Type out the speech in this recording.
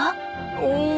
おお！